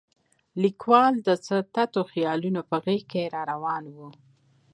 لیکوال د څه تتو خیالونه په غېږ کې راون و.